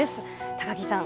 高木さん